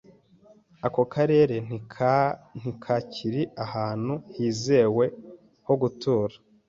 Ako karere ntikakiri ahantu hizewe ho gutura.